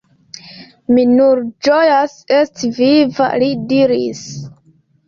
Mi nur ĝojas esti viva, – li diris.